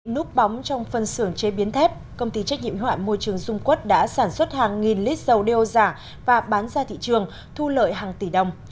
núp bóng trong phân xưởng chế biến thép công ty trách nhiệm hoạn môi trường dung quất đã sản xuất hàng nghìn lít dầu đeo giả và bán ra thị trường thu lợi hàng tỷ đồng